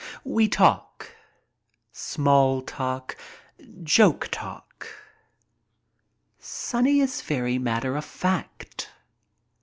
We talk, small talk, joke talk. Sonny is very matter of fact.